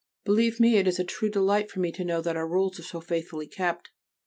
Believe me, it is a true delight to me to know that our Rules are so faithfully kept.